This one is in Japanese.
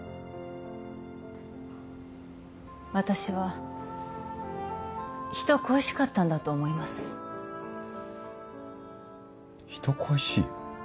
私は人恋しかったんだと思います人恋しい？